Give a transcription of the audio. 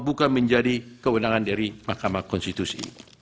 bukan menjadi kewenangan dari mahkamah konstitusi